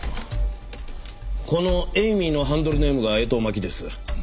このエイミーのハンドルネームが江藤真紀です。